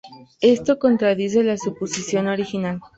Esto contradice la suposición original.